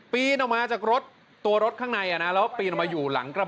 ปีนออกมาจากรถตัวรถข้างในแล้วปีนออกมาอยู่หลังกระบะ